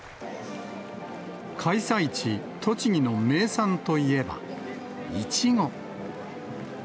開催地、栃木の名産といえば、イチゴ。